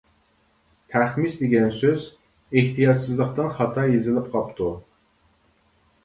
«تەخمىس» دېگەن سۆز ئېھتىياتسىزلىقتىن خاتا يېزىلىپ قاپتۇ.